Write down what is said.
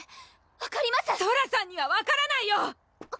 分かりますソラさんには分からないよ！